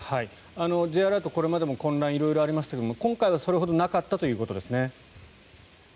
Ｊアラート、これまでも混乱が色々ありましたが今回はそれほどなかったということですね。